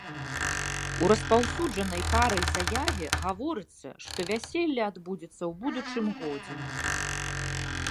У распаўсюджанай парай заяве гаворыцца, што вяселле адбудзецца ў будучым годзе.